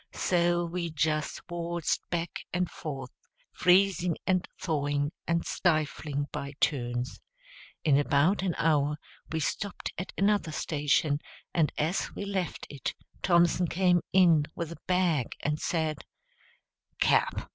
So we just waltzed back and forth, freezing, and thawing, and stifling, by turns. In about an hour we stopped at another station; and as we left it Thompson came in with a bag, and said, "Cap.